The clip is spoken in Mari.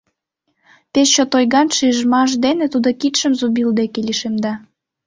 Пеш чот ойган шижмаш дене тудо кидшым зубил деке лишемда.